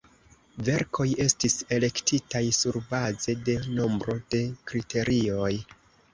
Verkoj estis elektitaj surbaze de nombro de kriterioj.